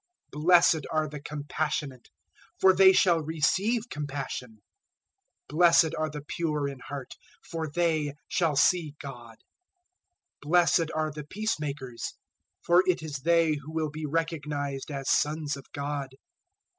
005:007 "Blessed are the compassionate, for they shall receive compassion. 005:008 "Blessed are the pure in heart, for they shall see God. 005:009 "Blessed are the peacemakers, for it is they who will be recognized as sons of God.